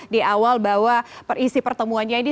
di awal bahwa perisi pertemuannya ini